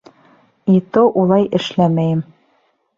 И то улай эшләмәйем.